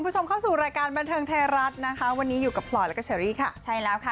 สวัสดีค่ะเป็นวันนี้อยู่กับพลอยและเชรี้ค่ะค่ะ